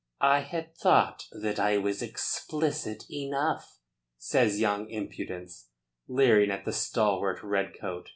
"I had thought that I was explicit enough," says young impudence, leering at the stalwart red coat.